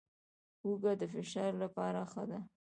هوږه د فشار لپاره ښه ده